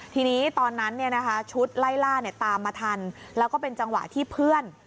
ทีนี้ตอนนั้นชุดไล่ล่าตามมาทันแล้วก็เป็นจังหวะที่เพื่อน